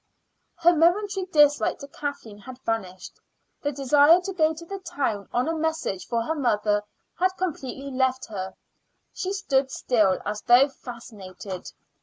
Her momentary dislike to Kathleen had vanished. The desire to go to the town on a message for her mother had completely left her. She stood still, as though fascinated.